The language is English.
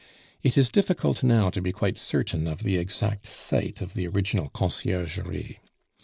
It is difficult now to be quite certain of the exact site of the original Conciergerie.